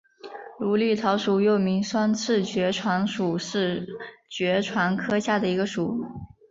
芦莉草属又名双翅爵床属是爵床科下的一个属。